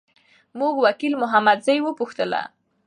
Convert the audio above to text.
موږ وکیل محمدزی وپوښتله.